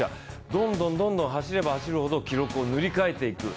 どんどん、走れば走るほど記録を塗り替えていく。